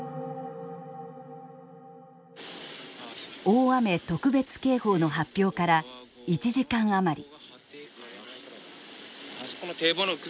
大雨特別警報の発表から１時間余り。